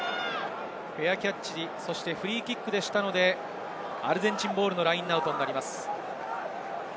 フェアキャッチ、そしてフリーキックでしたので、アルゼンチンボールのラインアウトになります。